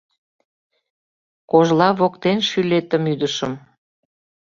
Кожла воктен шӱлетым ӱдышым